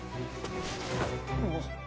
あっ。